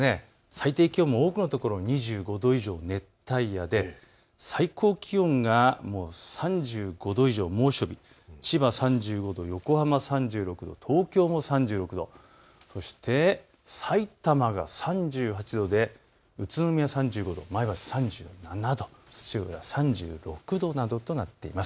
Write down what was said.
最低気温も多くの所、２５度以上、熱帯夜で最高気温が３５度以上、猛暑日、千葉３５度、横浜３６、東京も３６、そして、さいたまが３８度で宇都宮３５度、前橋３７度、土浦３６度などとなっています。